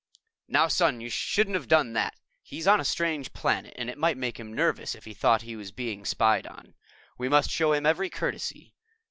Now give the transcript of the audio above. "Now, Son, you shouldn't have done that. He's on a strange planet and it might make him nervous if he thought he was being spied on. We must show him every courtesy.